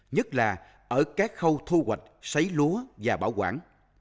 nhất là ở các khâu thu hoạch xấy lúa và bảo quản